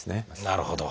なるほど。